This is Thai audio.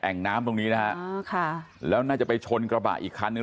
่งน้ำตรงนี้นะฮะอ๋อค่ะแล้วน่าจะไปชนกระบะอีกคันหนึ่ง